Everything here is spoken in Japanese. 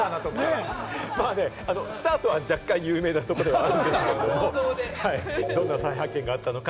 スタートは若干緩めなところもあるんですけれども、どんな再発見があったのか、